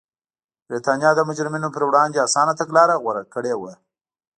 برېټانیا د مجرمینو پر وړاندې اسانه تګلاره غوره کړې وه.